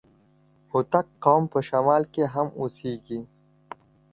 هوتک قوم په شمال کي هم اوسېږي.